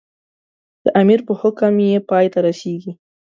د امیر په حکم یې پای ته رسېږي.